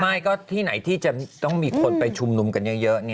ไม่ก็ที่ไหนที่จะต้องมีคนไปชุมนุมกันเยอะ